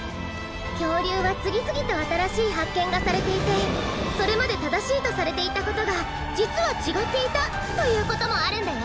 きょうりゅうはつぎつぎとあたらしいはっけんがされていてそれまでただしいとされていたことがじつはちがっていたということもあるんだよ！